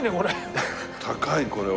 高いこれは。